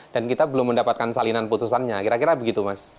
dan kita belum mendapatkan salinan putusannya kira kira begitu mas